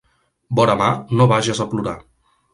Vora mar no vages a plorar.